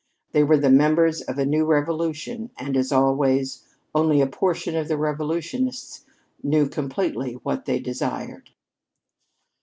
They were the members of a new revolution, and, as always, only a portion of the revolutionists knew completely what they desired.